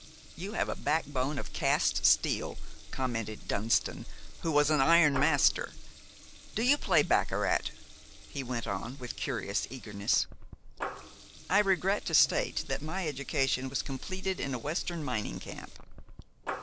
"You have a backbone of cast steel," commented Dunston, who was an iron master. "Do you play baccarat?" he went on, with curious eagerness. "I regret to state that my education was completed in a Western mining camp."